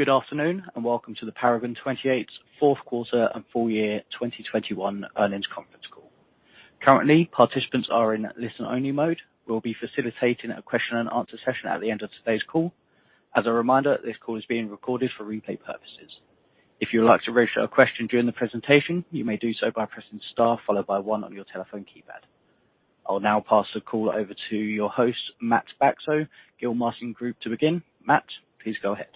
Good afternoon, and welcome to the Paragon 28 fourth quarter and full year 2021 earnings conference call. Currently, participants are in listen-only mode. We'll be facilitating a question and answer session at the end of today's call. As a reminder, this call is being recorded for replay purposes. If you would like to raise a question during the presentation, you may do so by pressing star followed by one on your telephone keypad. I'll now pass the call over to your host, Matt Bacso, Gilmartin Group to begin. Matt, please go ahead.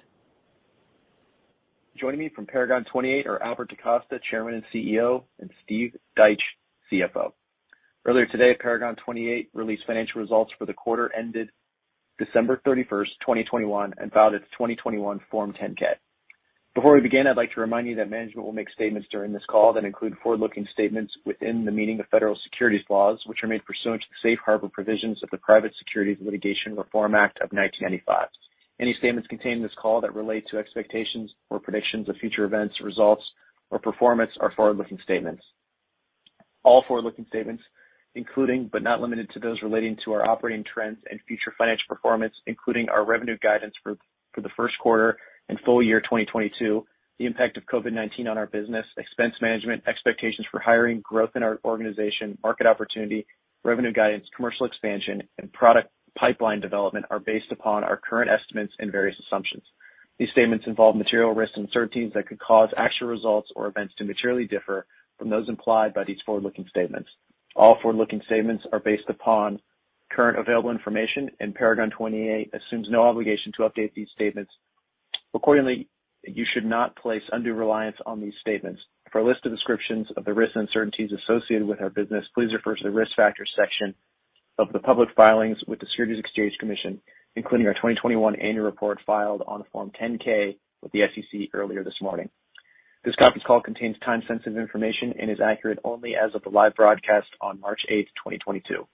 Joining me from Paragon 28 are Albert DaCosta, Chairman and CEO, and Steve Deitsch, CFO. Earlier today, Paragon 28 released financial results for the quarter ended December 31st, 2021, and filed its 2021 Form 10-K. Before we begin, I'd like to remind you that management will make statements during this call that include forward-looking statements within the meaning of federal securities laws, which are made pursuant to the Safe Harbor provisions of the Private Securities Litigation Reform Act of 1995. Any statements contained in this call that relate to expectations or predictions of future events, results, or performance are forward-looking statements. All forward-looking statements, including but not limited to those relating to our operating trends and future financial performance, including our revenue guidance for the first quarter and full year 2022, the impact of COVID-19 on our business, expense management, expectations for hiring, growth in our organization, market opportunity, revenue guidance, commercial expansion, and product pipeline development are based upon our current estimates and various assumptions. These statements involve material risks and uncertainties that could cause actual results or events to materially differ from those implied by these forward-looking statements. All forward-looking statements are based upon current available information, and Paragon 28 assumes no obligation to update these statements. Accordingly, you should not place undue reliance on these statements. For a list of descriptions of the risks and uncertainties associated with our business, please refer to the Risk Factors section of the public filings with the Securities and Exchange Commission, including our 2021 annual report filed on Form 10-K with the SEC earlier this morning. This conference call contains time-sensitive information and is accurate only as of the live broadcast on March 8, 2022.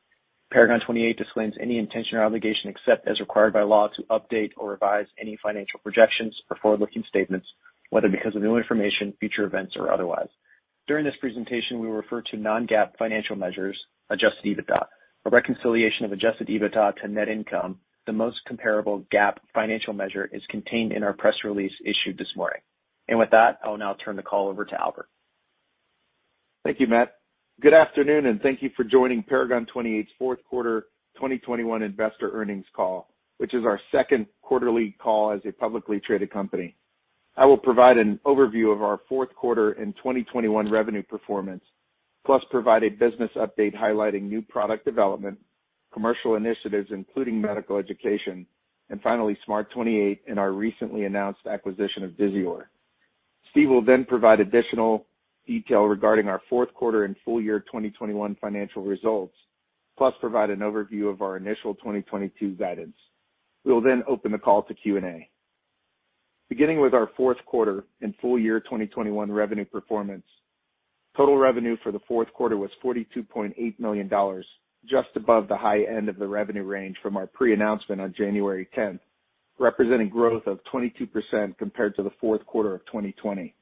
Paragon 28 disclaims any intention or obligation except as required by law to update or revise any financial projections or forward-looking statements, whether because of new information, future events, or otherwise. During this presentation, we will refer to non-GAAP financial measures, adjusted EBITDA. A reconciliation of adjusted EBITDA to net income, the most comparable GAAP financial measure, is contained in our press release issued this morning. With that, I will now turn the call over to Albert. Thank you, Matt. Good afternoon, and thank you for joining Paragon 28's fourth quarter 2021 investor earnings call, which is our second quarterly call as a publicly traded company. I will provide an overview of our fourth quarter and 2021 revenue performance, plus provide a business update highlighting new product development, commercial initiatives, including medical education, and finally, SMART28 and our recently announced acquisition of Disior. Steve will then provide additional detail regarding our fourth quarter and full year 2021 financial results, plus provide an overview of our initial 2022 guidance. We will then open the call to Q&A. Beginning with our fourth quarter and full year 2021 revenue performance, total revenue for the fourth quarter was $42.8 million, just above the high end of the revenue range from our pre-announcement on January 10, representing growth of 22% compared to the fourth quarter of 2020.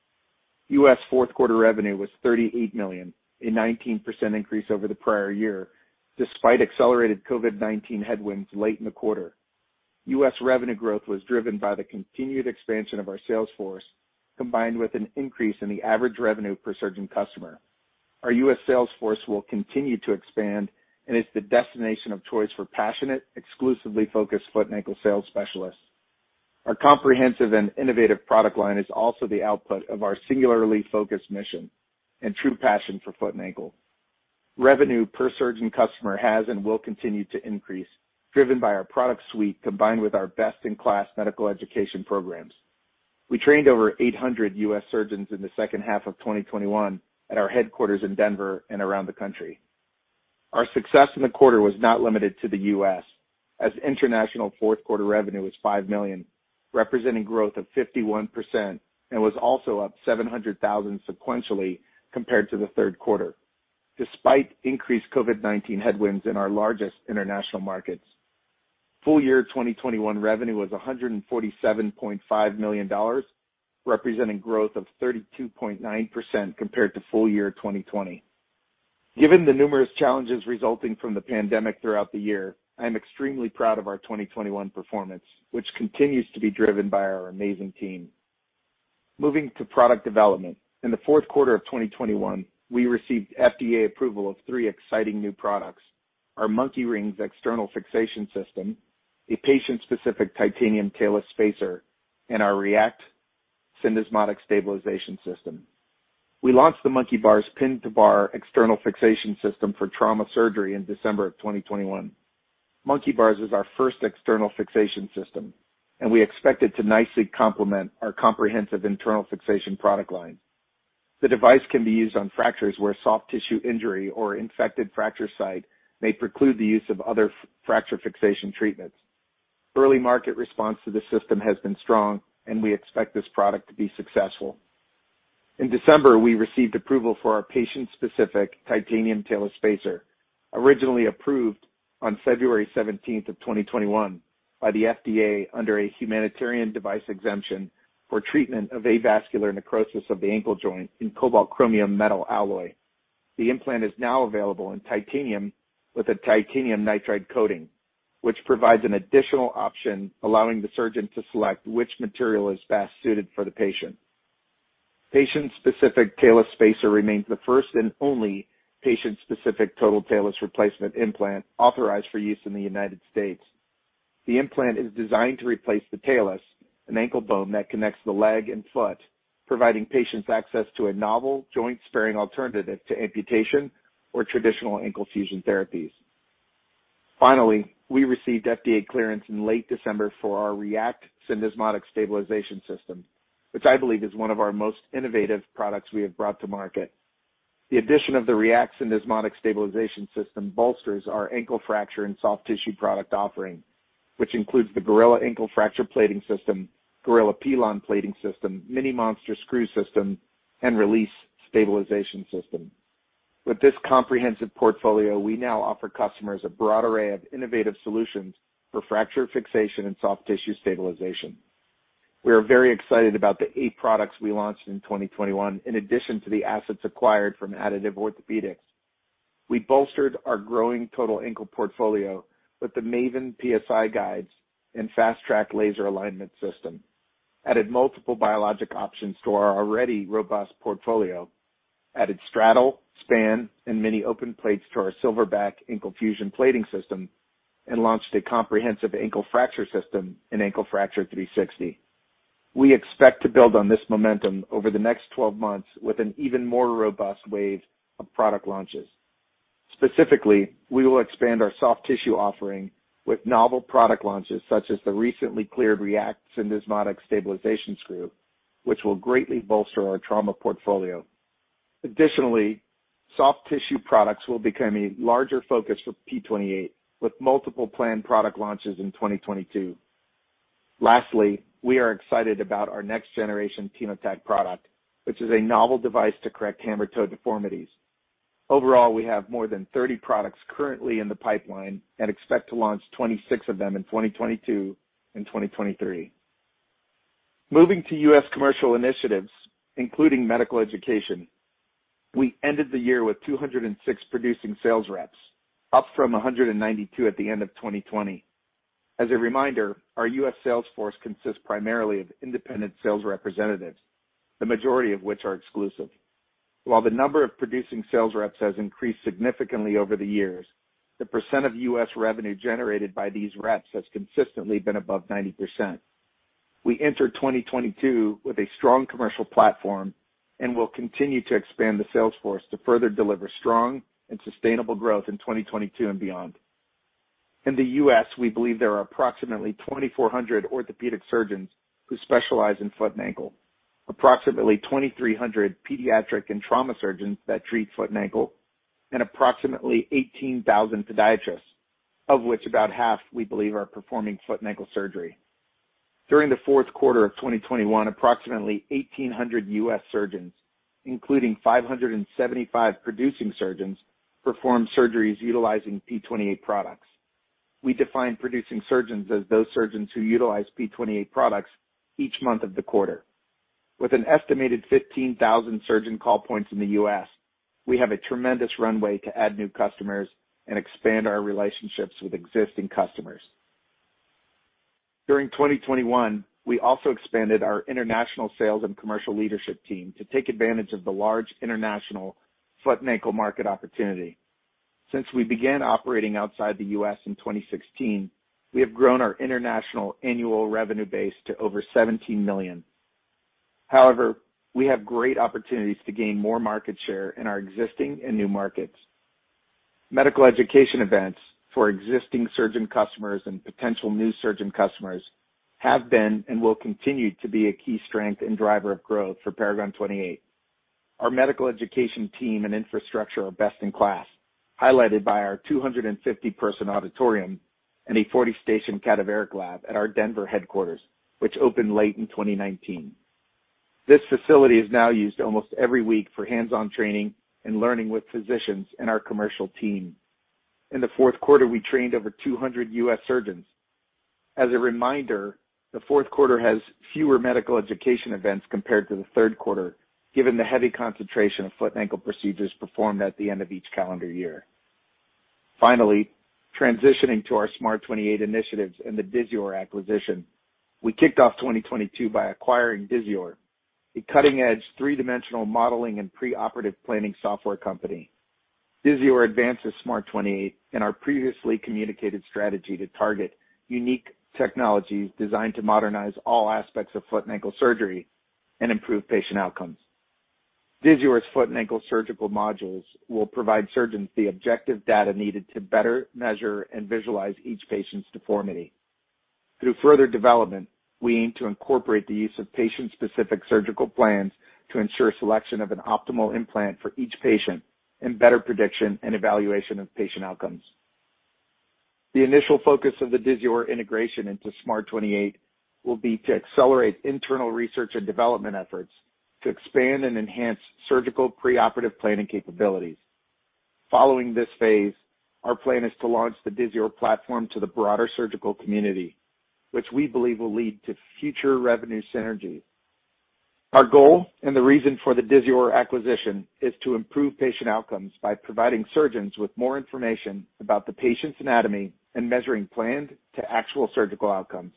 U.S. fourth quarter revenue was $38 million, a 19% increase over the prior year, despite accelerated COVID-19 headwinds late in the quarter. U.S. revenue growth was driven by the continued expansion of our sales force, combined with an increase in the average revenue per surgeon customer. Our U.S. sales force will continue to expand and is the destination of choice for passionate, exclusively focused foot and ankle sales specialists. Our comprehensive and innovative product line is also the output of our singularly focused mission and true passion for foot and ankle. Revenue per surgeon customer has and will continue to increase, driven by our product suite combined with our best-in-class medical education programs. We trained over 800 U.S. surgeons in the second half of 2021 at our headquarters in Denver and around the country. Our success in the quarter was not limited to the U.S., as international fourth quarter revenue was $5 million, representing growth of 51% and was also up $700,000 sequentially compared to the third quarter, despite increased COVID-19 headwinds in our largest international markets. Full year 2021 revenue was $147.5 million, representing growth of 32.9% compared to full year 2020. Given the numerous challenges resulting from the pandemic throughout the year, I am extremely proud of our 2021 performance, which continues to be driven by our amazing team. Moving to product development. In the fourth quarter of 2021, we received FDA approval of three exciting new products: our Monkey Rings external fixation system, a patient-specific titanium talus spacer, and our R3ACT Syndesmotic Stabilization System. We launched the Monkey Bars pin-to-bar external fixation system for trauma surgery in December of 2021. Monkey Bars is our first external fixation system, and we expect it to nicely complement our comprehensive internal fixation product line. The device can be used on fractures where soft tissue injury or infected fracture site may preclude the use of other fracture fixation treatments. Early market response to the system has been strong, and we expect this product to be successful. In December, we received approval for our Patient-Specific Titanium Talus Spacer, originally approved on February 17, 2021 by the FDA under a Humanitarian Device Exemption for treatment of avascular necrosis of the ankle joint in cobalt chromium metal alloy. The implant is now available in titanium with a titanium nitride coating, which provides an additional option, allowing the surgeon to select which material is best suited for the patient. Patient-Specific Talus Spacer remains the first and only patient-specific total talus replacement implant authorized for use in the United States. The implant is designed to replace the talus, an ankle bone that connects the leg and foot, providing patients access to a novel joint-sparing alternative to amputation or traditional ankle fusion therapies. Finally, we received FDA clearance in late December for our R3ACT Syndesmotic Stabilization System, which I believe is one of our most innovative products we have brought to market. The addition of the R3ACT Syndesmotic Stabilization System bolsters our ankle fracture and soft tissue product offering, which includes the Gorilla Ankle Fracture Plating System, Gorilla Pilon Plating System, Mini-Monster Screw System, and R3LEASE Stabilization System. With this comprehensive portfolio, we now offer customers a broad array of innovative solutions for fracture fixation and soft tissue stabilization. We are very excited about the eight products we launched in 2021, in addition to the assets acquired from Additive Orthopaedics. We bolstered our growing total ankle portfolio with the MAVEN PSI guides and FasTrac laser alignment system, added multiple biologic options to our already robust portfolio, added Straddle, Span, and Mini-Open plates to our Silverback Ankle Fusion Plating System, and launched a comprehensive ankle fracture system in Ankle Fracture 360. We expect to build on this momentum over the next 12 months with an even more robust wave of product launches. Specifically, we will expand our soft tissue offering with novel product launches, such as the recently cleared R3ACT syndesmotic stabilization screw, which will greatly bolster our trauma portfolio. Additionally, soft tissue products will become a larger focus for P28, with multiple planned product launches in 2022. Lastly, we are excited about our next generation TenoTac product, which is a novel device to correct hammertoe deformities. Overall, we have more than 30 products currently in the pipeline and expect to launch 26 of them in 2022 and 2023. Moving to U.S. commercial initiatives, including medical education, we ended the year with 206 producing sales reps, up from 192 at the end of 2020. As a reminder, our U.S. sales force consists primarily of independent sales representatives, the majority of which are exclusive. While the number of producing sales reps has increased significantly over the years, the percent of U.S. revenue generated by these reps has consistently been above 90%. We enter 2022 with a strong commercial platform and will continue to expand the sales force to further deliver strong and sustainable growth in 2022 and beyond. In the U.S., we believe there are approximately 2,400 orthopedic surgeons who specialize in foot and ankle, approximately 2,300 pediatric and trauma surgeons that treat foot and ankle, and approximately 18,000 podiatrists, of which about half we believe are performing foot and ankle surgery. During the fourth quarter of 2021, approximately 1,800 U.S. surgeons, including 575 producing surgeons, performed surgeries utilizing P28 products. We define producing surgeons as those surgeons who utilize P28 products each month of the quarter. With an estimated 15,000 surgeon call points in the U.S., we have a tremendous runway to add new customers and expand our relationships with existing customers. During 2021, we also expanded our international sales and commercial leadership team to take advantage of the large international foot and ankle market opportunity. Since we began operating outside the U.S. in 2016, we have grown our international annual revenue base to over $17 million. However, we have great opportunities to gain more market share in our existing and new markets. Medical education events for existing surgeon customers and potential new surgeon customers have been and will continue to be a key strength and driver of growth for Paragon 28. Our medical education team and infrastructure are best in class, highlighted by our 250-person auditorium and a 40-station cadaveric lab at our Denver headquarters, which opened late in 2019. This facility is now used almost every week for hands-on training and learning with physicians and our commercial team. In the fourth quarter, we trained over 200 U.S. surgeons. As a reminder, the fourth quarter has fewer medical education events compared to the third quarter, given the heavy concentration of foot and ankle procedures performed at the end of each calendar year. Finally, transitioning to our SMART28 initiatives and the Disior acquisition, we kicked off 2022 by acquiring Disior, a cutting edge three-dimensional modeling and preoperative planning software company. Disior advances SMART28 in our previously communicated strategy to target unique technologies designed to modernize all aspects of foot and ankle surgery and improve patient outcomes. Disior's foot and ankle surgical modules will provide surgeons the objective data needed to better measure and visualize each patient's deformity. Through further development, we aim to incorporate the use of patient-specific surgical plans to ensure selection of an optimal implant for each patient and better prediction and evaluation of patient outcomes. The initial focus of the Disior integration into SMART28 will be to accelerate internal research and development efforts to expand and enhance surgical preoperative planning capabilities. Following this phase, our plan is to launch the Disior platform to the broader surgical community, which we believe will lead to future revenue synergies. Our goal and the reason for the Disior acquisition is to improve patient outcomes by providing surgeons with more information about the patient's anatomy and measuring planned to actual surgical outcomes.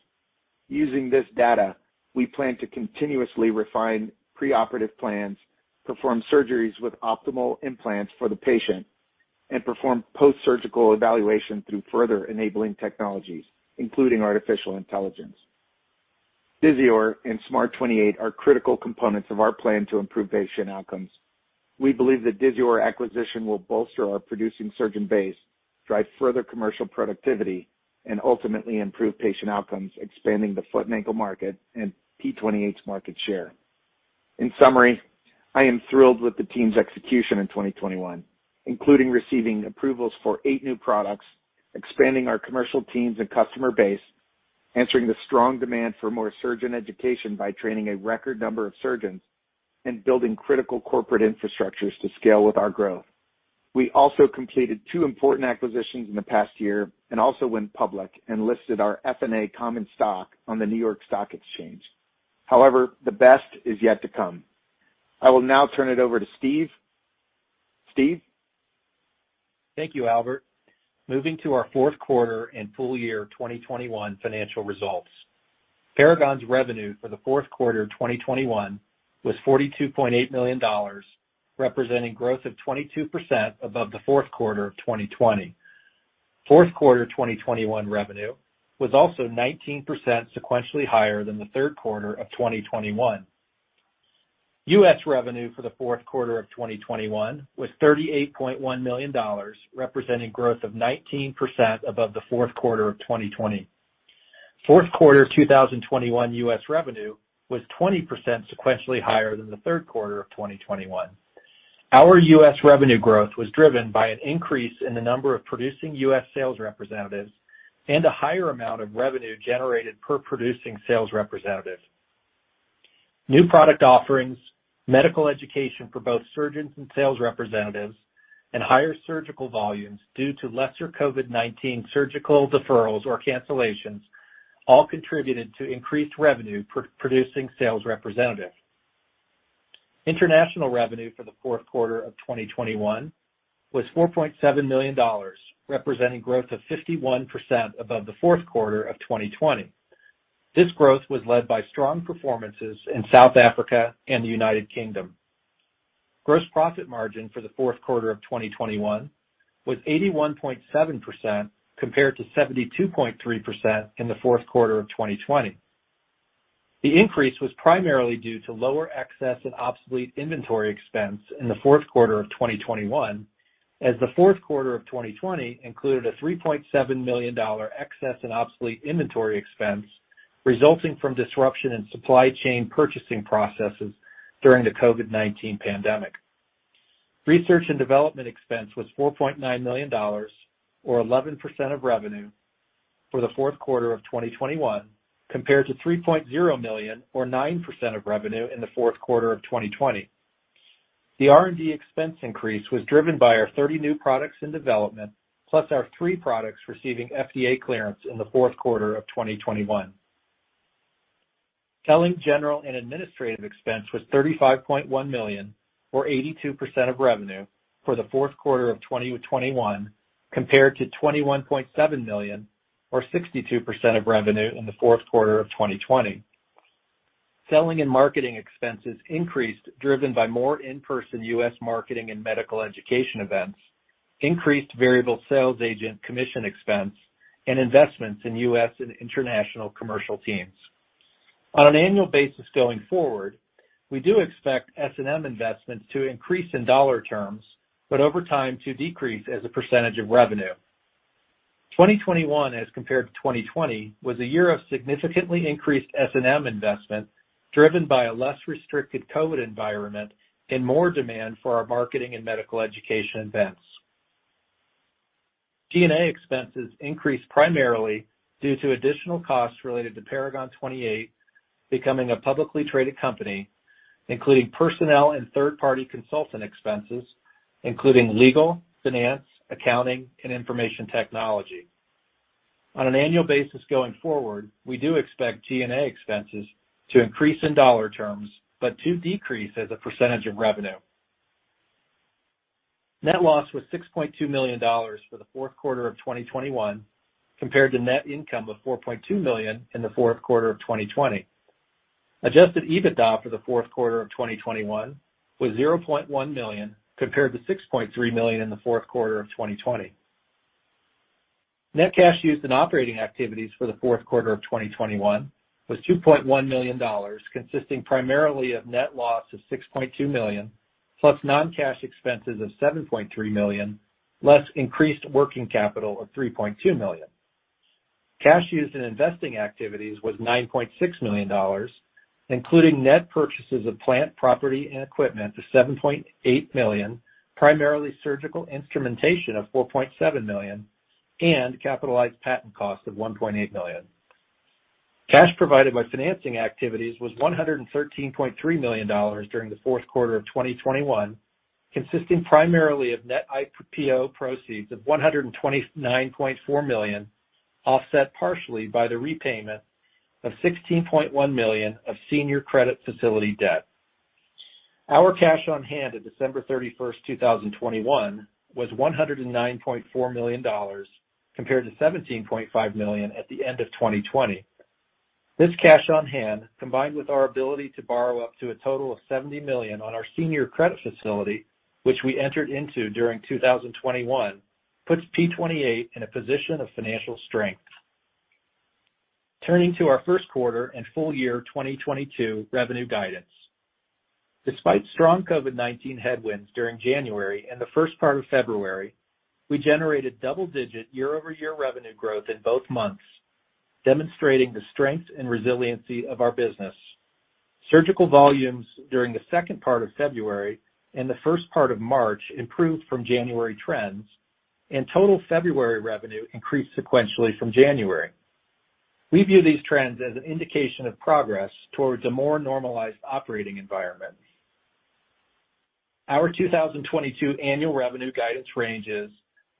Using this data, we plan to continuously refine preoperative plans, perform surgeries with optimal implants for the patient, and perform post-surgical evaluation through further enabling technologies, including artificial intelligence. Disior and SMART28 are critical components of our plan to improve patient outcomes. We believe the Disior acquisition will bolster our producing surgeon base, drive further commercial productivity, and ultimately improve patient outcomes, expanding the foot and ankle market and P28's market share. In summary, I am thrilled with the team's execution in 2021, including receiving approvals for eight new products, expanding our commercial teams and customer base, answering the strong demand for more surgeon education by training a record number of surgeons, and building critical corporate infrastructures to scale with our growth. We also completed two important acquisitions in the past year and also went public and listed our FNA common stock on the New York Stock Exchange. However, the best is yet to come. I will now turn it over to Steve. Steve? Thank you, Albert. Moving to our fourth quarter and full year 2021 financial results. Paragon's revenue for the fourth quarter of 2021 was $42.8 million, representing growth of 22% above the fourth quarter of 2020. Fourth quarter 2021 revenue was also 19% sequentially higher than the third quarter of 2021. U.S. revenue for the fourth quarter of 2021 was $38.1 million, representing growth of 19% above the fourth quarter of 2020. Fourth quarter 2021 U.S. revenue was 20% sequentially higher than the third quarter of 2021. Our U.S. revenue growth was driven by an increase in the number of producing U.S. sales representatives and a higher amount of revenue generated per producing sales representative. New product offerings, medical education for both surgeons and sales representatives, and higher surgical volumes due to lesser COVID-19 surgical deferrals or cancellations all contributed to increased revenue per producing sales representative. International revenue for the fourth quarter of 2021 was $4.7 million, representing growth of 51% above the fourth quarter of 2020. This growth was led by strong performances in South Africa and the United Kingdom. Gross profit margin for the fourth quarter of 2021 was 81.7% compared to 72.3% in the fourth quarter of 2020. The increase was primarily due to lower excess and obsolete inventory expense in the fourth quarter of 2021, as the fourth quarter of 2020 included a $3.7 million excess and obsolete inventory expense resulting from disruption in supply chain purchasing processes during the COVID-19 pandemic. Research and development expense was $4.9 million or 11% of revenue for the fourth quarter of 2021 compared to $3.0 million or 9% of revenue in the fourth quarter of 2020. The R&D expense increase was driven by our 30 new products in development, plus our three products receiving FDA clearance in the fourth quarter of 2021. Selling, general, and administrative expense was $35.1 million or 82% of revenue for the fourth quarter of 2021 compared to $21.7 million or 62% of revenue in the fourth quarter of 2020. Selling and marketing expenses increased, driven by more in-person U.S. marketing and medical education events, increased variable sales agent commission expense, and investments in U.S. and international commercial teams. On an annual basis going forward, we do expect S&M investments to increase in dollar terms, but over time to decrease as a percentage of revenue. 2021 as compared to 2020 was a year of significantly increased S&M investment driven by a less restricted COVID environment and more demand for our marketing and medical education events. G&A expenses increased primarily due to additional costs related to Paragon 28 becoming a publicly traded company, including personnel and third-party consultant expenses, including legal, finance, accounting, and information technology. On an annual basis going forward, we do expect G&A expenses to increase in dollar terms, but to decrease as a percentage of revenue. Net loss was $6.2 million for the fourth quarter of 2021 compared to net income of $4.2 million in the fourth quarter of 2020. Adjusted EBITDA for the fourth quarter of 2021 was $0.1 million compared to $6.3 million in the fourth quarter of 2020. Net cash used in operating activities for the fourth quarter of 2021 was $2.1 million, consisting primarily of net loss of $6.2 million, plus non-cash expenses of $7.3 million, less increased working capital of $3.2 million. Cash used in investing activities was $9.6 million, including net purchases of plant, property, and equipment of $7.8 million, primarily surgical instrumentation of $4.7 million, and capitalized patent costs of $1.8 million. Cash provided by financing activities was $113.3 million during the fourth quarter of 2021, consisting primarily of net IPO proceeds of $129.4 million, offset partially by the repayment of $16.1 million of senior credit facility debt. Our cash on hand at December 31st, 2021 was $109.4 million compared to $17.5 million at the end of 2020. This cash on hand, combined with our ability to borrow up to a total of $70 million on our senior credit facility, which we entered into during 2021, puts P28 in a position of financial strength. Turning to our first quarter and full year 2022 revenue guidance. Despite strong COVID-19 headwinds during January and the first part of February, we generated double-digit year-over-year revenue growth in both months, demonstrating the strength and resiliency of our business. Surgical volumes during the second part of February and the first part of March improved from January trends, and total February revenue increased sequentially from January. We view these trends as an indication of progress towards a more normalized operating environment. Our 2022 annual revenue guidance range is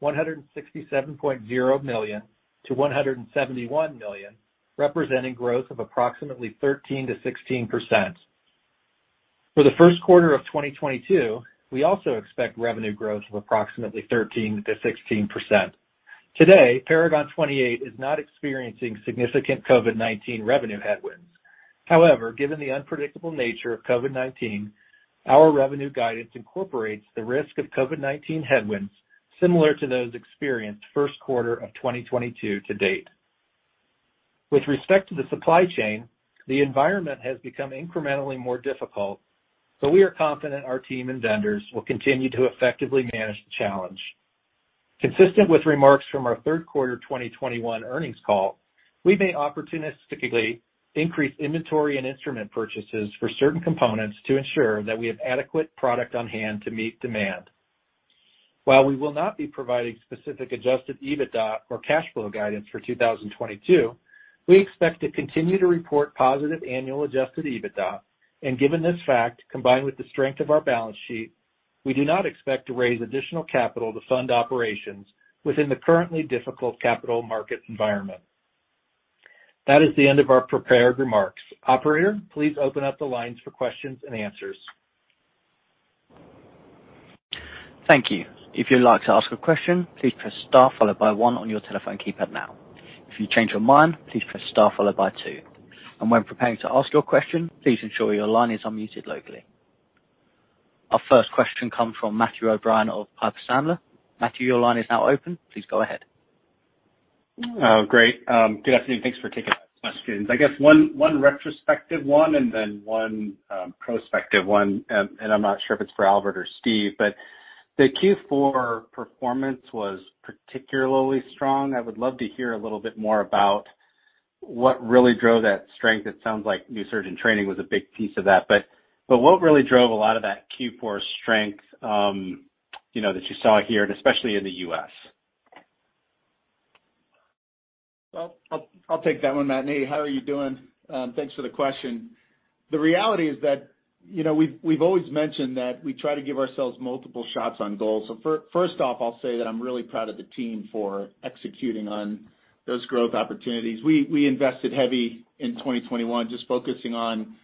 $167.0 million-$171 million, representing growth of approximately 13%-16%. For the first quarter of 2022, we also expect revenue growth of approximately 13%-16%. Today, Paragon 28 is not experiencing significant COVID-19 revenue headwinds. However, given the unpredictable nature of COVID-19, our revenue guidance incorporates the risk of COVID-19 headwinds similar to those experienced first quarter of 2022 to date. With respect to the supply chain, the environment has become incrementally more difficult, but we are confident our team and vendors will continue to effectively manage the challenge. Consistent with remarks from our third quarter 2021 earnings call, we may opportunistically increase inventory and instrument purchases for certain components to ensure that we have adequate product on hand to meet demand. While we will not be providing specific adjusted EBITDA or cash flow guidance for 2022, we expect to continue to report positive annual adjusted EBITDA. Given this fact, combined with the strength of our balance sheet, we do not expect to raise additional capital to fund operations within the currently difficult capital market environment. That is the end of our prepared remarks. Operator, please open up the lines for questions and answers. Thank you. If you'd like to ask a question, please press star followed by one on your telephone keypad now. If you change your mind, please press star followed by two. When preparing to ask your question, please ensure your line is unmuted locally. Our first question comes from Matthew O'Brien of Piper Sandler. Matthew, your line is now open. Please go ahead. Oh, great. Good afternoon. Thanks for taking my questions. I guess one retrospective one and then one prospective one, and I'm not sure if it's for Albert or Steve, but the Q4 performance was particularly strong. I would love to hear a little bit more about what really drove that strength. It sounds like new surgeon training was a big piece of that, but what really drove a lot of that Q4 strength, you know, that you saw here and especially in the U.S.? Well, I'll take that one, Matthew. How are you doing? Thanks for the question. The reality is that, you know, we've always mentioned that we try to give ourselves multiple shots on goals. First off, I'll say that I'm really proud of the team for executing on those growth opportunities. We invested heavy in 2021 just focusing on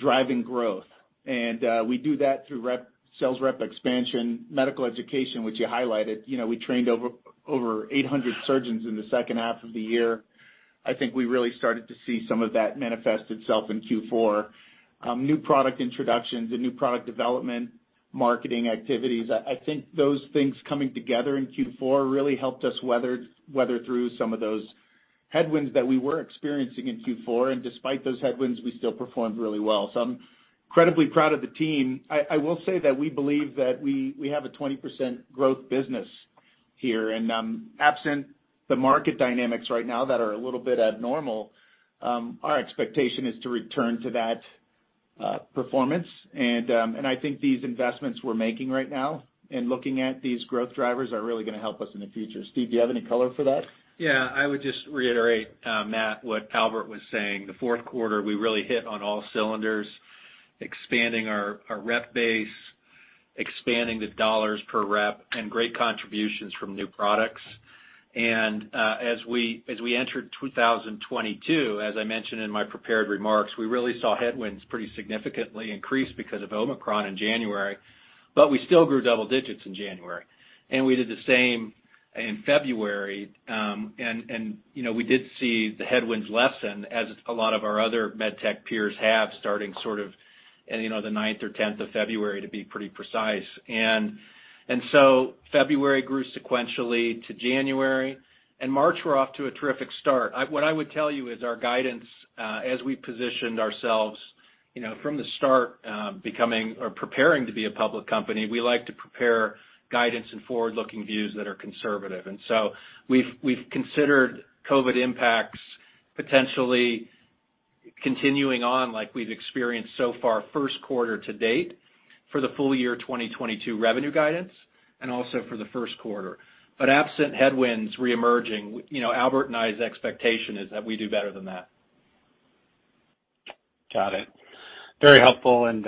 driving growth. We do that through sales rep expansion, medical education, which you highlighted. You know, we trained over 800 surgeons in the second half of the year. I think we really started to see some of that manifest itself in Q4. New product introductions and new product development, marketing activities. I think those things coming together in Q4 really helped us weather through some of those headwinds that we were experiencing in Q4. Despite those headwinds, we still performed really well. I'm incredibly proud of the team. I will say that we believe that we have a 20% growth business here. Absent the market dynamics right now that are a little bit abnormal, our expectation is to return to that performance. I think these investments we're making right now and looking at these growth drivers are really going to help us in the future. Steve, do you have any color for that? Yeah. I would just reiterate, Matt, what Albert was saying. The fourth quarter, we really hit on all cylinders, expanding our rep base, expanding the dollars per rep, and great contributions from new products. As we entered 2022, as I mentioned in my prepared remarks, we really saw headwinds pretty significantly increase because of Omicron in January, but we still grew double digits in January. We did the same in February. You know, we did see the headwinds lessen as a lot of our other med tech peers have started sort of, you know, the 9th or 10th of February to be pretty precise. February grew sequentially to January, and March, we're off to a terrific start. What I would tell you is our guidance, as we positioned ourselves, you know, from the start, becoming or preparing to be a public company, we like to prepare guidance and forward-looking views that are conservative. We've considered COVID impacts potentially. Continuing on like we've experienced so far first quarter to date for the full year 2022 revenue guidance and also for the first quarter. Absent headwinds reemerging, you know, Albert and I's expectation is that we do better than that. Got it. Very helpful, and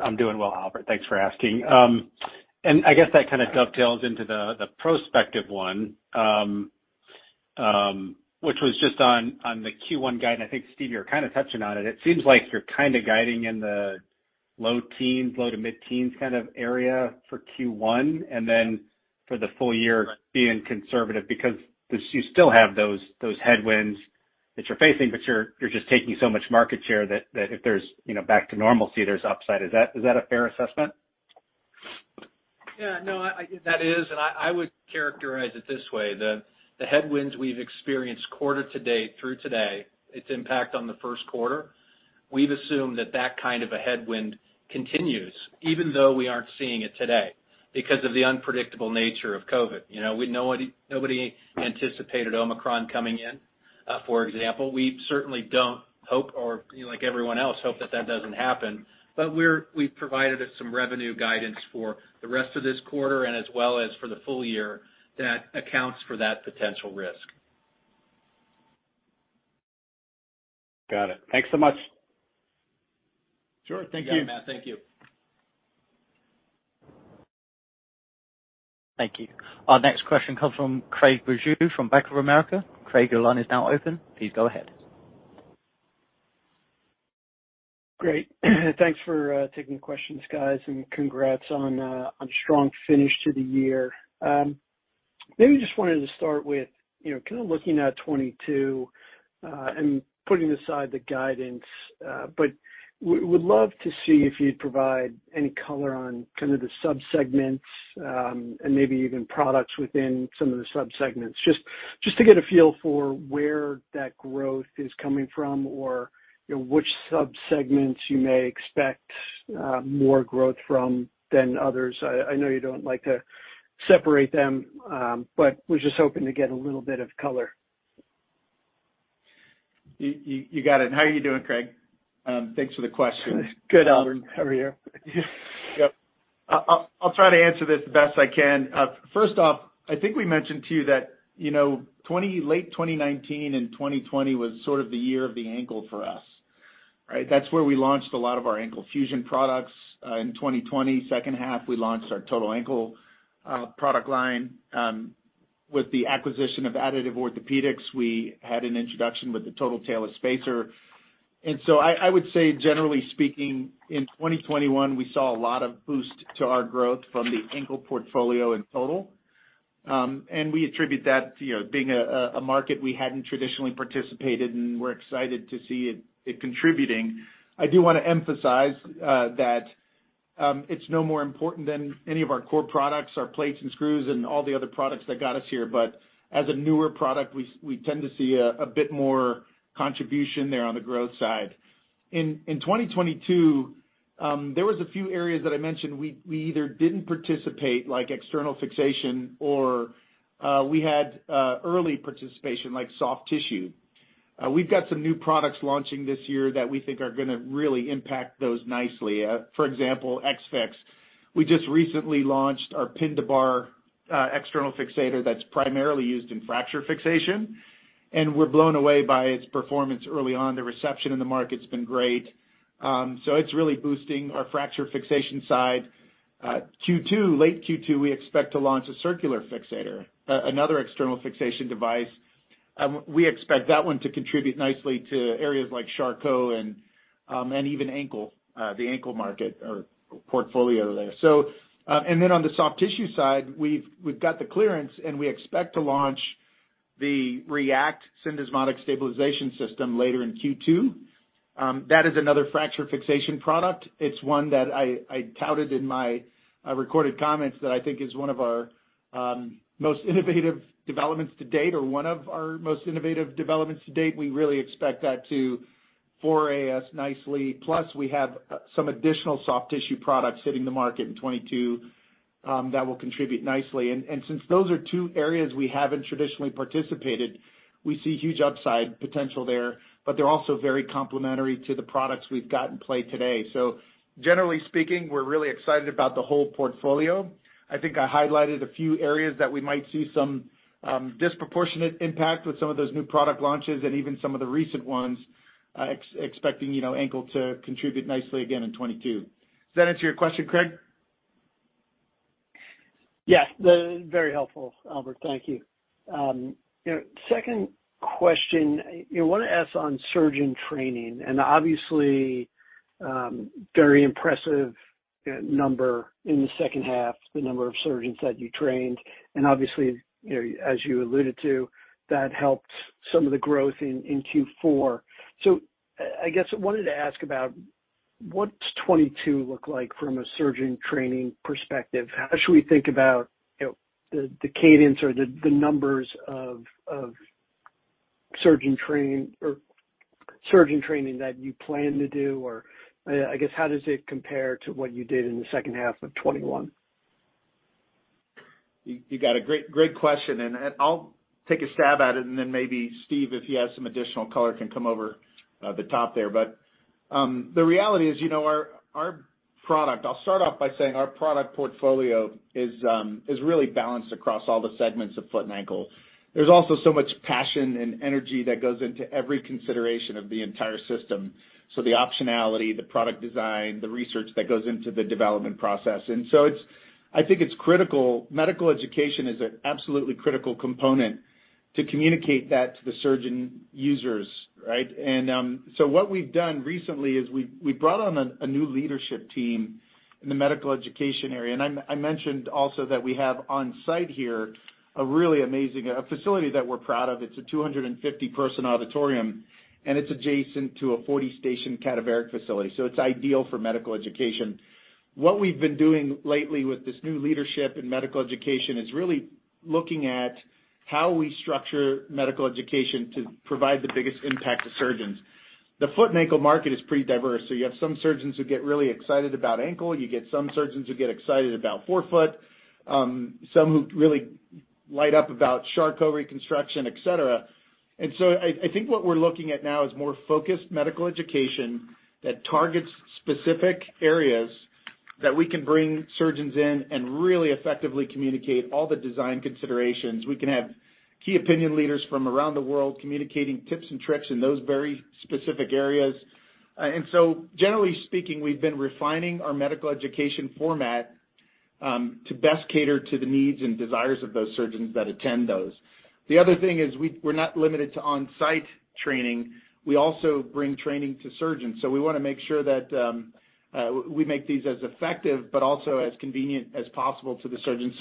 I'm doing well, Albert. Thanks for asking. I guess that kind of dovetails into the prospective one, which was just on the Q1 guide, and I think, Steve, you're kind of touching on it. It seems like you're kind of guiding in the low teens, low- to mid-teens kind of area for Q1, and then for the full year being conservative, because this, you still have those headwinds that you're facing, but you're just taking so much market share that if there's, you know, back to normalcy, there's upside. Is that a fair assessment? Yeah, no, I would characterize it this way, the headwinds we've experienced quarter to date through today, its impact on the first quarter, we've assumed that kind of a headwind continues even though we aren't seeing it today because of the unpredictable nature of COVID. You know, nobody anticipated Omicron coming in, for example. We certainly don't hope or, you know, like everyone else, hope that that doesn't happen. We've provided some revenue guidance for the rest of this quarter and as well as for the full year that accounts for that potential risk. Got it. Thanks so much. Sure. Thank you. You got it, Matt. Thank you. Thank you. Our next question comes from Craig Bijou from Bank of America. Craig, your line is now open. Please go ahead. Great. Thanks for taking the questions, guys, and congrats on a strong finish to the year. Maybe just wanted to start with, you know, kind of looking at 2022, and putting aside the guidance, but we would love to see if you'd provide any color on kind of the sub-segments, and maybe even products within some of the sub-segments, just to get a feel for where that growth is coming from or, you know, which sub-segments you may expect more growth from than others. I know you don't like to separate them, but was just hoping to get a little bit of color. You got it. How are you doing, Craig? Thanks for the question. Good, Albert. How are you? Yep. I'll try to answer this the best I can. First off, I think we mentioned to you that, you know, late 2019 and 2020 was sort of the year of the ankle for us, right? That's where we launched a lot of our ankle fusion products. In 2020, second half, we launched our total ankle product line. With the acquisition of Additive Orthopaedics, we had an introduction with the total talus spacer. I would say, generally speaking, in 2021, we saw a lot of boost to our growth from the ankle portfolio in total. We attribute that to, you know, being a market we hadn't traditionally participated in. We're excited to see it contributing. I do wanna emphasize that it's no more important than any of our core products, our plates and screws and all the other products that got us here. As a newer product, we tend to see a bit more contribution there on the growth side. In 2022, there was a few areas that I mentioned we either didn't participate, like external fixation or we had early participation, like soft tissue. We've got some new products launching this year that we think are gonna really impact those nicely. For example, ex-fix. We just recently launched our pin-to-bar external fixator that's primarily used in fracture fixation, and we're blown away by its performance early on. The reception in the market's been great. It's really boosting our fracture fixation side. Q2, late Q2, we expect to launch a circular fixator, another external fixation device. We expect that one to contribute nicely to areas like Charcot and even ankle, the ankle market or portfolio there. On the soft tissue side, we've got the clearance, and we expect to launch the R3ACT Syndesmotic Stabilization System later in Q2. That is another fracture fixation product. It's one that I touted in my recorded comments that I think is one of our most innovative developments to date. We really expect that to fare us nicely. Plus, we have some additional soft tissue products hitting the market in 2022 that will contribute nicely. since those are two areas we haven't traditionally participated, we see huge upside potential there, but they're also very complementary to the products we've got in play today. Generally speaking, we're really excited about the whole portfolio. I think I highlighted a few areas that we might see some disproportionate impact with some of those new product launches and even some of the recent ones, expecting, you know, ankle to contribute nicely again in 2022. Does that answer your question, Craig? Very helpful, Albert. Thank you. You know, second question. I wanna ask on surgeon training, and obviously, very impressive number in the second half, the number of surgeons that you trained. And obviously, you know, as you alluded to, that helped some of the growth in Q4. I guess I wanted to ask about what's 2022 look like from a surgeon training perspective? How should we think about, you know, the cadence or the numbers of surgeon training or surgeon training that you plan to do? Or, I guess, how does it compare to what you did in the second half of 2021? You got a great question, and I'll take a stab at it, and then maybe Steve, if he has some additional color, can come over the top there. The reality is, you know, our product portfolio is really balanced across all the segments of foot and ankle. There's also so much passion and energy that goes into every consideration of the entire system, so the optionality, the product design, the research that goes into the development process. I think it's critical. Medical education is an absolutely critical component to communicate that to the surgeon users, right? What we've done recently is we've brought on a new leadership team in the medical education area. I mentioned also that we have on-site here a really amazing facility that we're proud of. It's a 250-person auditorium, and it's adjacent to a 40-station cadaveric facility, so it's ideal for medical education. What we've been doing lately with this new leadership in medical education is really looking at how we structure medical education to provide the biggest impact to surgeons. The foot and ankle market is pretty diverse, so you have some surgeons who get really excited about ankle. You get some surgeons who get excited about forefoot. Some who really light up about Charcot reconstruction, et cetera. I think what we're looking at now is more focused medical education that targets specific areas that we can bring surgeons in and really effectively communicate all the design considerations. We can have key opinion leaders from around the world communicating tips and tricks in those very specific areas. Generally speaking, we've been refining our medical education format to best cater to the needs and desires of those surgeons that attend those. The other thing is we're not limited to on-site training. We also bring training to surgeons. We wanna make sure that we make these as effective, but also as convenient as possible to the surgeons.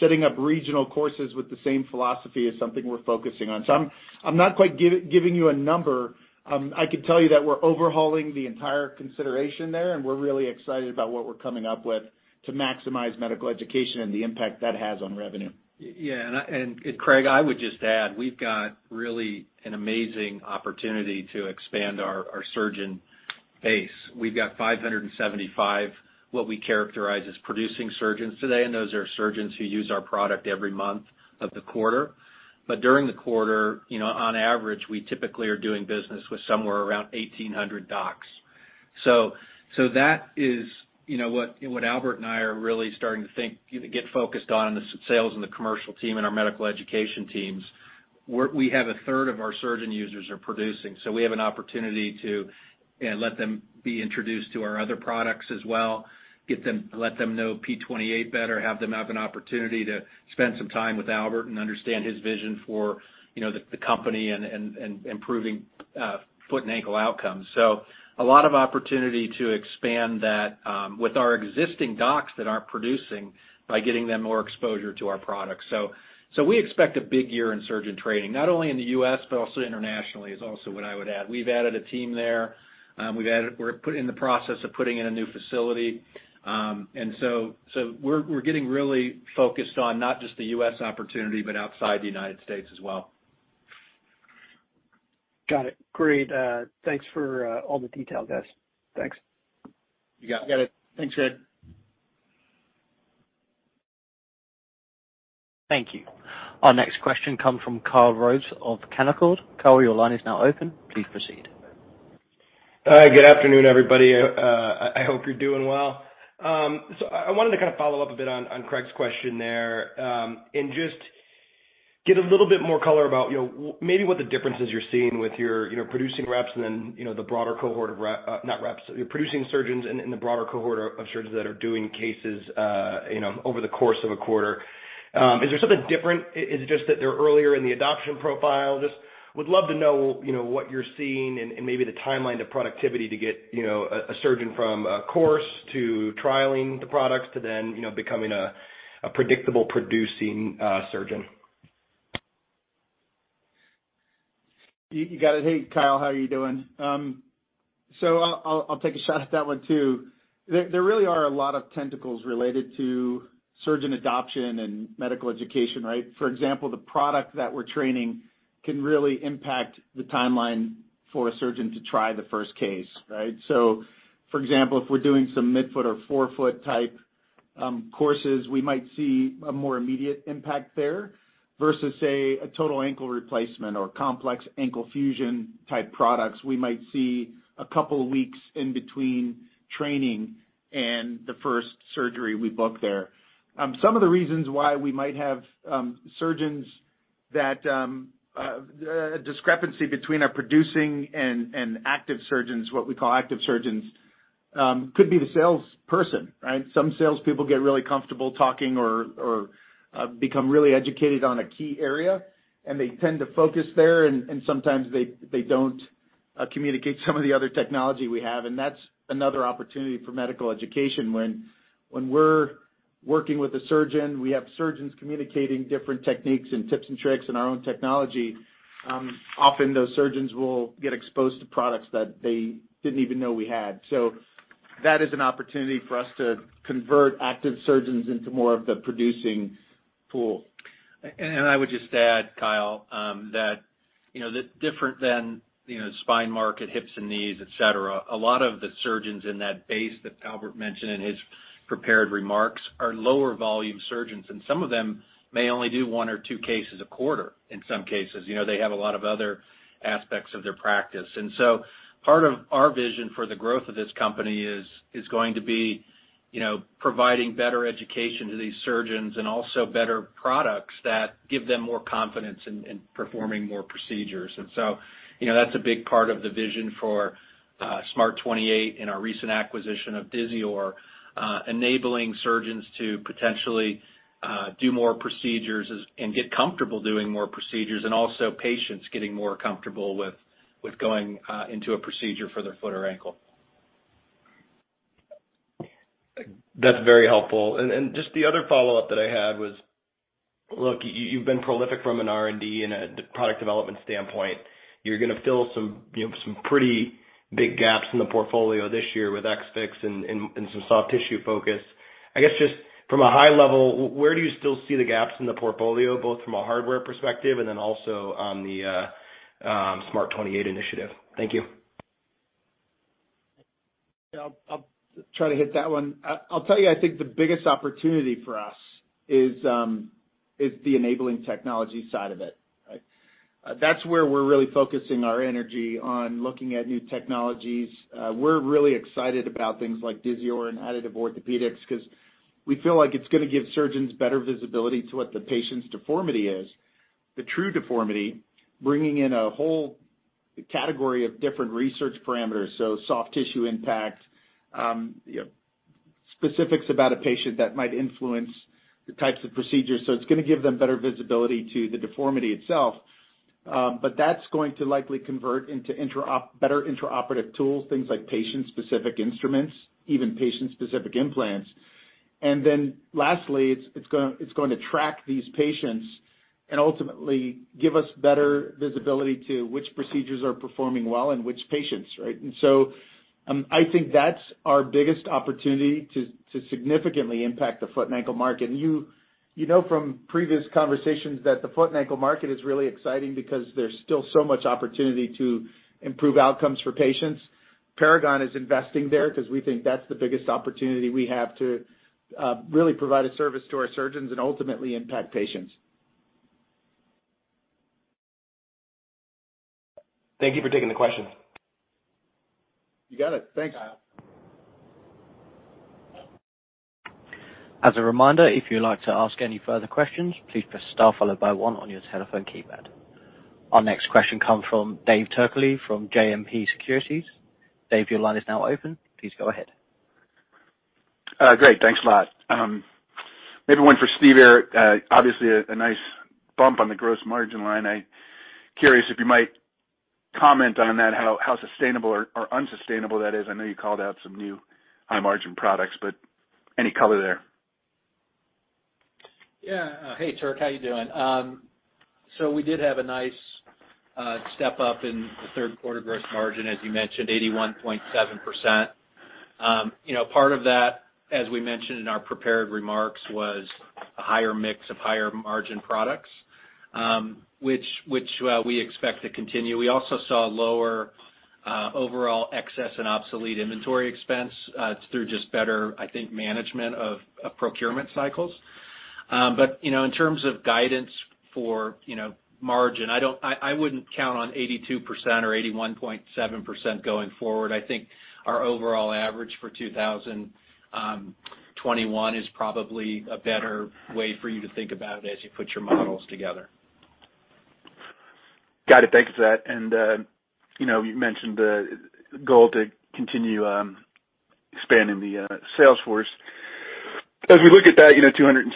Setting up regional courses with the same philosophy is something we're focusing on. I'm not quite giving you a number. I could tell you that we're overhauling the entire consideration there, and we're really excited about what we're coming up with to maximize medical education and the impact that has on revenue. Yeah. Craig, I would just add, we've got really an amazing opportunity to expand our surgeon base. We've got 575, what we characterize as producing surgeons today, and those are surgeons who use our product every month of the quarter. But during the quarter, you know, on average, we typically are doing business with somewhere around 1,800 docs. So that is, you know, what Albert and I are really starting to think, you know, get focused on in the sales and the commercial team and our medical education teams. We have a third of our surgeon users are producing, so we have an opportunity to, you know, let them be introduced to our other products as well, let them know P28 better, have them have an opportunity to spend some time with Albert and understand his vision for, you know, the company and improving foot and ankle outcomes. We have a lot of opportunity to expand that with our existing docs that aren't producing by getting them more exposure to our products. We expect a big year in surgeon training, not only in the U.S., but also internationally is also what I would add. We've added a team there. We're in the process of putting in a new facility. We're getting really focused on not just the U.S. opportunity, but outside the United States as well. Got it. Great. Thanks for all the detail, guys. Thanks. You got it. You got it. Thanks, Craig. Thank you. Our next question comes from Kyle Rose of Canaccord. Kyle, your line is now open. Please proceed. Hi, good afternoon, everybody. I hope you're doing well. I wanted to kind of follow up a bit on Craig's question there, and just get a little bit more color about, you know, maybe what the differences you're seeing with your, you know, producing reps and then, you know, the broader cohort of reps. Your producing surgeons and the broader cohort of surgeons that are doing cases, you know, over the course of a quarter. Is there something different? Is it just that they're earlier in the adoption profile? I just would love to know, you know, what you're seeing and maybe the timeline to productivity to get, you know, a surgeon from a course to trialing the products to then, you know, becoming a predictable producing surgeon. You got it. Hey, Kyle. How are you doing? I'll take a shot at that one too. There really are a lot of tentacles related to surgeon adoption and medical education, right? For example, the product that we're training can really impact the timeline for a surgeon to try the first case, right? For example, if we're doing some midfoot or forefoot type courses, we might see a more immediate impact there versus, say, a total ankle replacement or complex ankle fusion type products. We might see a couple of weeks in between training and the first surgery we book there. Some of the reasons why we might have a discrepancy between our prospecting and active surgeons, what we call active surgeons, could be the salesperson, right? Some salespeople get really comfortable talking or become really educated on a key area, and they tend to focus there, and sometimes they don't communicate some of the other technology we have. That's another opportunity for medical education. When we're working with a surgeon, we have surgeons communicating different techniques and tips and tricks in our own technology, often those surgeons will get exposed to products that they didn't even know we had. That is an opportunity for us to convert active surgeons into more of the producing pool. I would just add, Kyle, that, you know, that's different than, you know, spine market, hips and knees, et cetera, a lot of the surgeons in that base that Albert mentioned in his prepared remarks are lower volume surgeons, and some of them may only do one or two cases a quarter in some cases. You know, they have a lot of other aspects of their practice. Part of our vision for the growth of this company is going to be, you know, providing better education to these surgeons and also better products that give them more confidence in performing more procedures. You know, that's a big part of the vision for SMART28 in our recent acquisition of Disior, enabling surgeons to potentially do more procedures and get comfortable doing more procedures, and also patients getting more comfortable with going into a procedure for their foot or ankle. That's very helpful. Just the other follow-up that I had was, look, you've been prolific from an R&D and a product development standpoint. You're gonna fill some, you know, some pretty big gaps in the portfolio this year with ex-fix and some soft tissue focus. I guess, just from a high level, where do you still see the gaps in the portfolio, both from a hardware perspective and then also on the SMART28 initiative? Thank you. I'll try to hit that one. I'll tell you, I think the biggest opportunity for us is the enabling technology side of it. Right? That's where we're really focusing our energy on looking at new technologies. We're really excited about things like Disior and Additive Orthopaedics, 'cause we feel like it's gonna give surgeons better visibility to what the patient's deformity is, the true deformity, bringing in a whole category of different research parameters, so soft tissue impact, you know, specifics about a patient that might influence the types of procedures. It's gonna give them better visibility to the deformity itself. That's going to likely convert into better intraoperative tools, things like patient-specific instruments, even patient-specific implants. Then lastly, it's going to track these patients and ultimately give us better visibility to which procedures are performing well and which patients, right? I think that's our biggest opportunity to significantly impact the foot and ankle market. You know from previous conversations that the foot and ankle market is really exciting because there's still so much opportunity to improve outcomes for patients. Paragon is investing there because we think that's the biggest opportunity we have to really provide a service to our surgeons and ultimately impact patients. Thank you for taking the questions. You got it. Thanks. Thanks, Kyle. As a reminder, if you'd like to ask any further questions, please press star followed by one on your telephone keypad. Our next question comes from Dave Turkaly from JMP Securities. Dave, your line is now open. Please go ahead. Great. Thanks a lot. Maybe one for Steve here. Obviously, a nice bump on the gross margin line. I'm curious if you might comment on that, how sustainable or unsustainable that is. I know you called out some new high margin products, but any color there? Yeah. Hey, Turk. How you doing? So we did have a nice step up in the third quarter gross margin, as you mentioned, 81.7%. You know, part of that, as we mentioned in our prepared remarks, was a higher mix of higher margin products, which we expect to continue. We also saw lower overall excess and obsolete inventory expense through just better, I think, management of procurement cycles. You know, in terms of guidance for margin, I wouldn't count on 82% or 81.7% going forward. I think our overall average for 2021 is probably a better way for you to think about it as you put your models together. Got it. Thanks for that. You know, you mentioned the goal to continue expanding the sales force. As we look at that, you know, 206,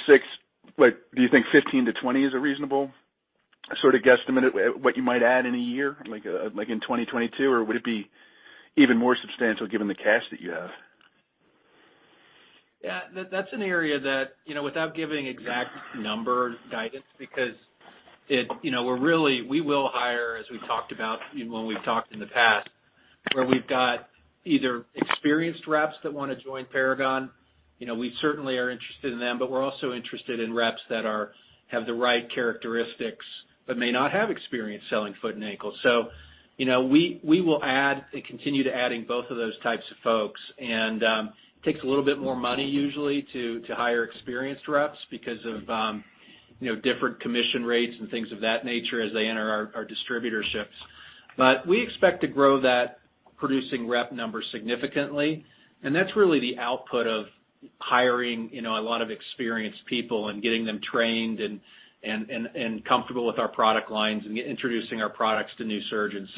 like, do you think 15-20 is a reasonable sort of guesstimate at what you might add in a year, like in 2022? Or would it be even more substantial given the cash that you have? Yeah. That's an area that, you know, without giving exact number guidance because, you know, we will hire, as we talked about when we've talked in the past, where we've got either experienced reps that wanna join Paragon. You know, we certainly are interested in them, but we're also interested in reps that are, have the right characteristics but may not have experience selling foot and ankle. You know, we will add and continue to adding both of those types of folks. It takes a little bit more money usually to hire experienced reps because of, you know, different commission rates and things of that nature as they enter our distributorships. We expect to grow that producing rep number significantly, and that's really the output of hiring, you know, a lot of experienced people and getting them trained and comfortable with our product lines and introducing our products to new surgeons.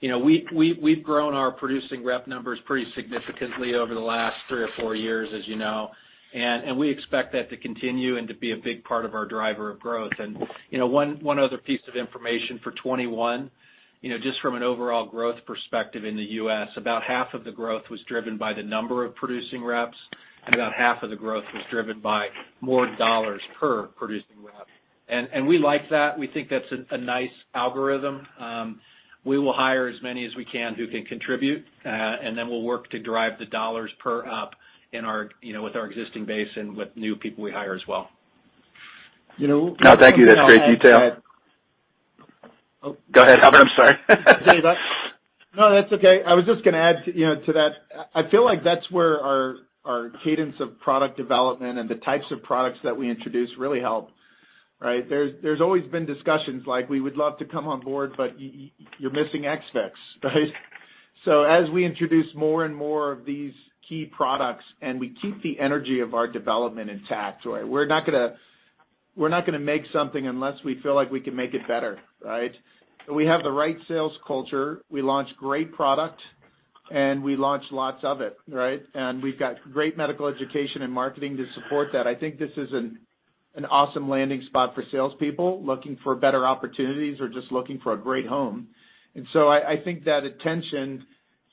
You know, we've grown our producing rep numbers pretty significantly over the last three or four years, as you know, and we expect that to continue and to be a big part of our driver of growth. You know, one other piece of information for 2021, you know, just from an overall growth perspective in the U.S., about half of the growth was driven by the number of producing reps, and about half of the growth was driven by more dollars per producing rep. We like that. We think that's a nice algorithm. We will hire as many as we can who can contribute, and then we'll work to drive the dollars per rep in our, you know, with our existing base and with new people we hire as well. No, thank you. That's great detail. Oh, go ahead, Albert, I'm sorry. Dave. No, that's okay. I was just gonna add to, you know, to that. I feel like that's where our cadence of product development and the types of products that we introduce really help, right? There's always been discussions like we would love to come on board, but you're missing ex-fix, right? So as we introduce more and more of these key products, and we keep the energy of our development intact, right? We're not gonna make something unless we feel like we can make it better, right? So we have the right sales culture. We launch great product, and we launch lots of it, right? And we've got great medical education and marketing to support that. I think this is an awesome landing spot for salespeople looking for better opportunities or just looking for a great home. I think that attention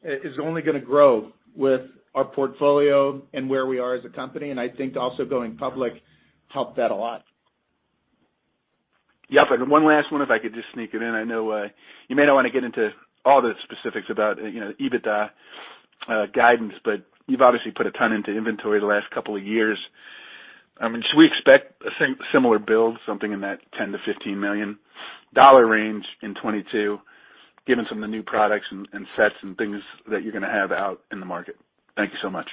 is only gonna grow with our portfolio and where we are as a company. I think also going public helped that a lot. Yep, one last one if I could just sneak it in. I know you may not wanna get into all the specifics about, you know, EBITDA guidance, but you've obviously put a ton into inventory the last couple of years. I mean, should we expect a similar build, something in that $10 million-$15 million range in 2022, given some of the new products and sets and things that you're gonna have out in the market? Thank you so much.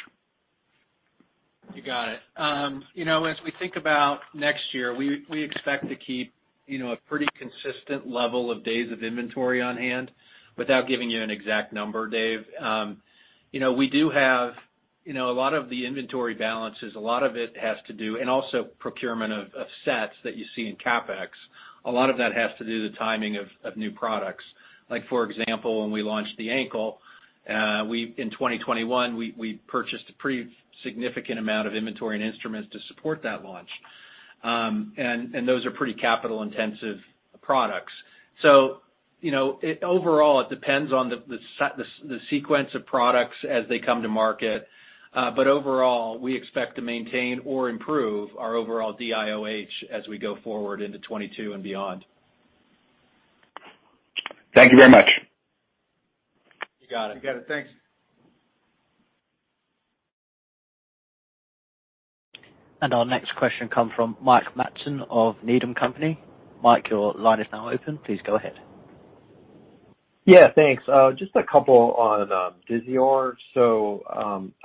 You got it. You know, as we think about next year, we expect to keep, you know, a pretty consistent level of days of inventory on hand. Without giving you an exact number, Dave, you know, we do have, you know, a lot of the inventory balances. A lot of it has to do with the procurement of sets that you see in CapEx. A lot of that has to do with the timing of new products. Like, for example, when we launched the ankle in 2021, we purchased a pretty significant amount of inventory and instruments to support that launch. And those are pretty capital intensive products. You know, overall, it depends on the sequence of products as they come to market. Overall, we expect to maintain or improve our overall DIOH as we go forward into 2022 and beyond. Thank you very much. You got it. You got it. Thanks. Our next question comes from Mike Matson of Needham & Company. Mike, your line is now open. Please go ahead. Yeah, thanks. Just a couple on Disior.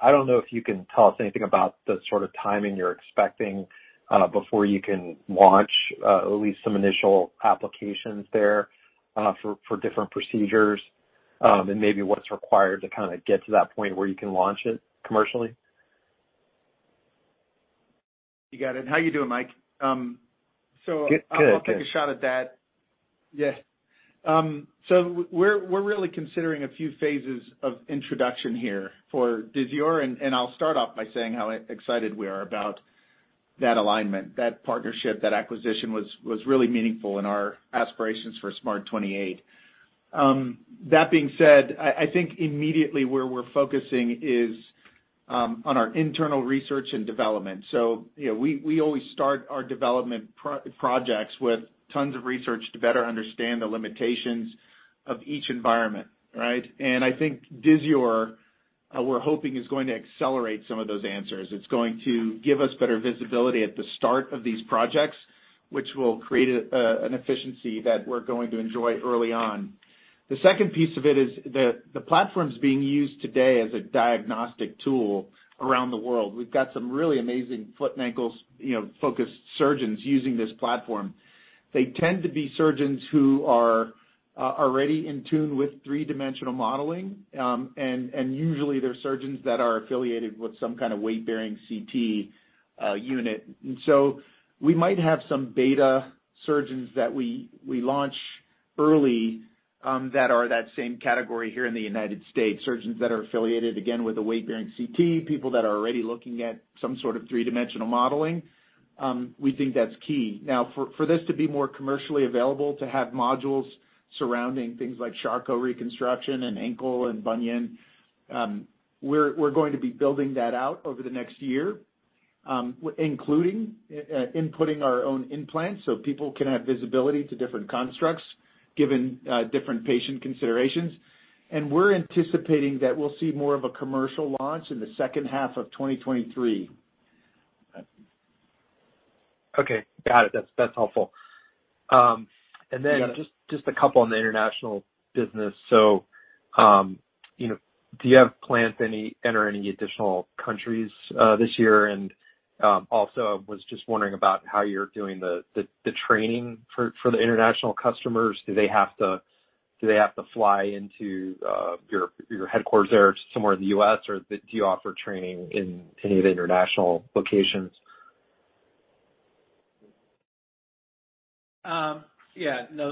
I don't know if you can tell us anything about the sort of timing you're expecting before you can launch at least some initial applications there for different procedures, and maybe what's required to kinda get to that point where you can launch it commercially. You got it. How you doing, Mike? Good. I'll take a shot at that. Yeah. We're really considering a few phases of introduction here for Disior. I'll start off by saying how excited we are about that alignment, that partnership. That acquisition was really meaningful in our aspirations for SMART28. That being said, I think immediately where we're focusing is on our internal research and development. You know, we always start our development projects with tons of research to better understand the limitations of each environment, right? I think Disior, we're hoping is going to accelerate some of those answers. It's going to give us better visibility at the start of these projects, which will create an efficiency that we're going to enjoy early on. The second piece of it is the platform's being used today as a diagnostic tool around the world. We've got some really amazing foot and ankle, you know, focused surgeons using this platform. They tend to be surgeons who are already in tune with three-dimensional modeling. Usually, they're surgeons that are affiliated with some kind of weight-bearing CT unit. We might have some beta surgeons that we launch early that are that same category here in the United States, surgeons that are affiliated, again, with a weight-bearing CT, people that are already looking at some sort of three-dimensional modeling. We think that's key. Now, for this to be more commercially available, to have modules surrounding things like Charcot reconstruction and ankle and bunion, we're going to be building that out over the next year, including inputting our own implants, so people can have visibility to different constructs given different patient considerations. We're anticipating that we'll see more of a commercial launch in the second half of 2023. Okay. Got it. That's helpful. Yeah. Just a couple on the international business. You know, do you have plans to enter any additional countries this year? Also, I was just wondering about how you're doing the training for the international customers. Do they have to fly into your headquarters there somewhere in the U.S., or do you offer training in any of the international locations?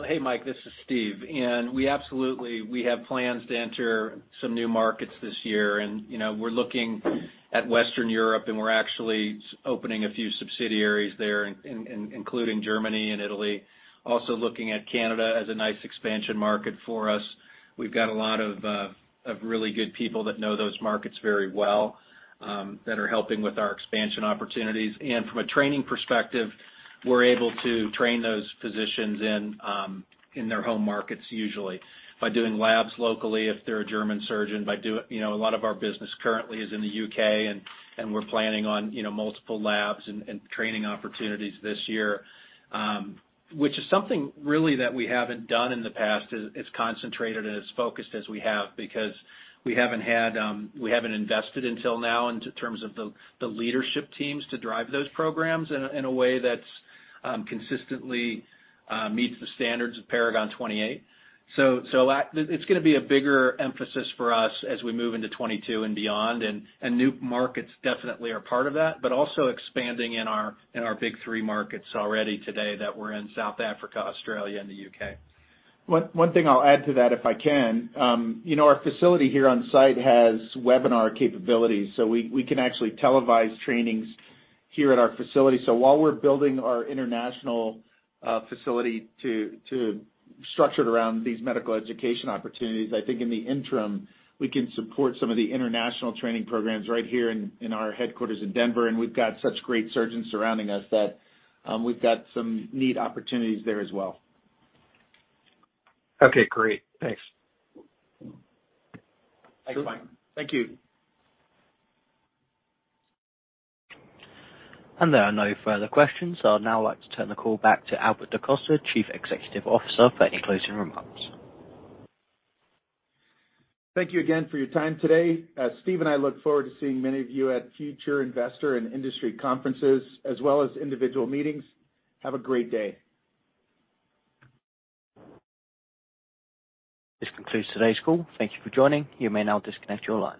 Hey, Mike, this is Steve. We absolutely have plans to enter some new markets this year and, you know, we're looking at Western Europe, and we're actually opening a few subsidiaries there in including Germany and Italy. Also looking at Canada as a nice expansion market for us. We've got a lot of really good people that know those markets very well that are helping with our expansion opportunities. From a training perspective, we're able to train those physicians in their home markets usually by doing labs locally if they're a German surgeon. You know, a lot of our business currently is in the U.K., and we're planning on, you know, multiple labs and training opportunities this year, which is something really that we haven't done in the past as concentrated and as focused as we have because we haven't had, we haven't invested until now in terms of the leadership teams to drive those programs in a way that consistently meets the standards of Paragon 28. It's gonna be a bigger emphasis for us as we move into 2022 and beyond. New markets definitely are part of that, but also expanding in our big three markets already today that we're in South Africa, Australia, and the U.K. One thing I'll add to that if I can, you know, our facility here on site has webinar capabilities, so we can actually televise trainings here at our facility. While we're building our international facility to structure it around these medical education opportunities, I think in the interim, we can support some of the international training programs right here in our headquarters in Denver. We've got such great surgeons surrounding us that we've got some neat opportunities there as well. Okay, great. Thanks. Thanks, Mike. Thank you. There are no further questions. I would now like to turn the call back to Albert DaCosta, Chief Executive Officer, for any closing remarks. Thank you again for your time today. Steve and I look forward to seeing many of you at future investor and industry conferences, as well as individual meetings. Have a great day. This concludes today's call. Thank you for joining. You may now disconnect your line.